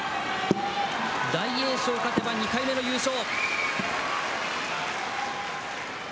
大栄翔勝てば２回目の優勝。